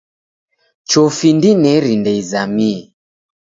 Chofi ndineri ndeizamie.